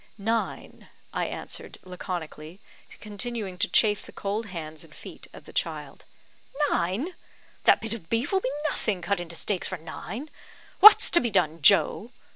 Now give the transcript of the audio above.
"Nine," I answered, laconically, continuing to chafe the cold hands and feet of the child. "Nine! That bit of beef will be nothing, cut into steaks for nine. What's to be done, Joe?"